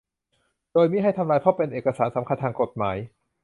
โดยมิให้ทำลายเพราะเป็นเอกสารสำคัญทางกฎหมาย